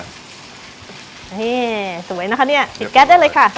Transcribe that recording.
นี่สวยนะคะเนี่ยติดแก๊สได้เลยค่ะ